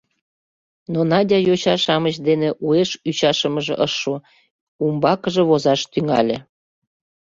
Но Надян йоча-шамыч дене уэш ӱчашымыже ыш шу, умбакыже возаш тӱҥале: